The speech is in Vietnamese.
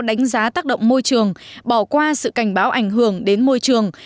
đánh giá tác động môi trường bỏ qua sự cảnh báo ảnh hưởng đến môi trường